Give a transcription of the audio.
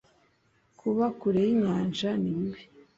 kuba kure y'inyanja nibibi